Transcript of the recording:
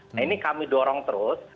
nah ini kami dorong terus